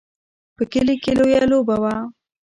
په کلي کې لویه لوبه وه.